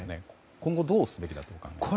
今後どうすべきだと思いますか？